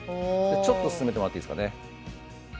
ちょっと進めてもらっていいですかね。